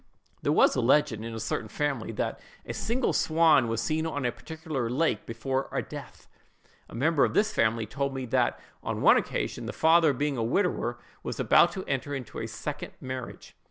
There was a legend, in a certain family, that a single swan was seen on a particular lake before a death. A member of this family told me that on one occasion, the father, being a widower, was about to enter into a second marriage.